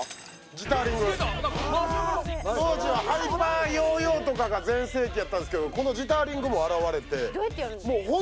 ジターリング当時はハイパーヨーヨーとかが全盛期やったんですけどこのジターリングも現れてどうやってやるんです？